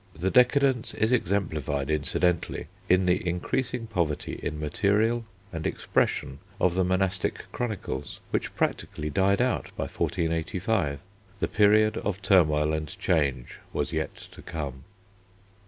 The decadence is exemplified incidentally in the increasing poverty in material and expression of the monastic chronicles, which practically died out by 1485. The period of turmoil and change was yet to come.